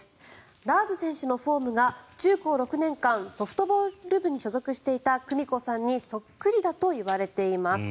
ラーズ選手のフォームが中高６年間ソフトボール部に所属していた久美子さんにそっくりだといいます。